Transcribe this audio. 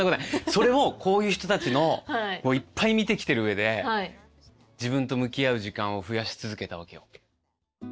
それをこういう人たちのをいっぱい見てきてる上で自分と向き合う時間を増やし続けたわけよ。